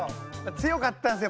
強かったんですよ